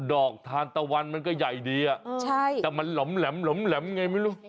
ดอกทานตะวันมันก็ใหญ่ดีแต่มันหล่อมแหลมไงไม่รู้